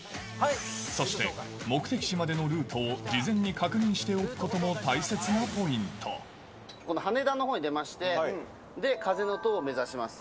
そして目的地までのルートを事前に確認しておくことも大切なポイこの羽田のほうに出まして、で、風の塔を目指します。